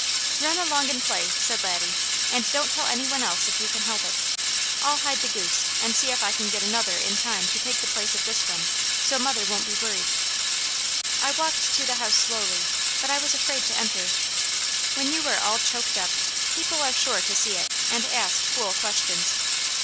"Run along and play!" said Laddie, "and don't tell any one else if you can help it. I'll hide the goose, and see if I can get another in time to take the place of this one, so mother won't be worried." I walked to the house slowly, but I was afraid to enter. When you are all choked up, people are sure to see it, and ask fool questions.